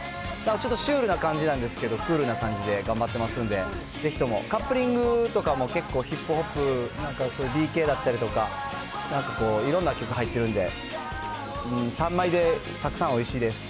ちょっとシュールな感じなんですけど、クールな感じで頑張ってますんで、ぜひとも、カップリングとかも結構ヒップホップ、そういうだったりとかなんかこう、いろんな曲入ってるんで、３枚でたくさんおいしいです。